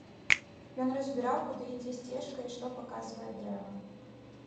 Ён разбіраў, куды ідзе сцежка і што паказвае дрэва.